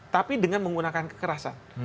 tapi dengan menggunakan kekerasan